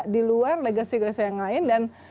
di luar legacy legacy yang lain